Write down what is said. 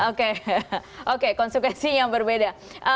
oke oke konsekuensinya berbeda